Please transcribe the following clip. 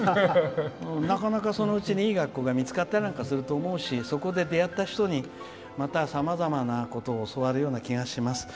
なかなか、そのうちにいい学校が見つかったりなんかすると思うしそこで出会った人にまた、さまざまなことを教わるような気がします。